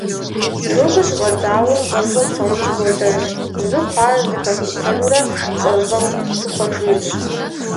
Нобэ щыщӏэдзауэ, щӏэрыщӏэу псэун щӏызодзэж. Жьы хъуар зэхэскъутэнурэ щӏэрыщӏэу сухуэжынущ.